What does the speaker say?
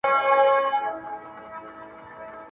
د بخشش او د ستایلو مستحق دی,